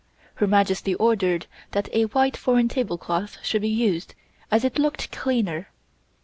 Her Majesty ordered that a white foreign tablecloth should be used, as it looked cleaner.